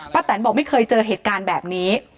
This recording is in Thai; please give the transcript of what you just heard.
แตนบอกไม่เคยเจอเหตุการณ์แบบนี้